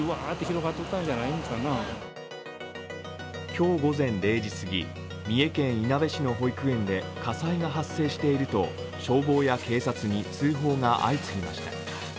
今日午前０時すぎ三重県いなべ市の保育園で火災が発生していると消防や警察に通報が相次ぎました。